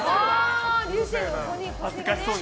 恥ずかしそうに。